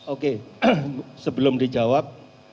oke sebelum dijawab